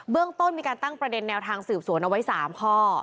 เรื่องต้นมีการตั้งประเด็นแนวทางสืบสวนเอาไว้๓ข้อ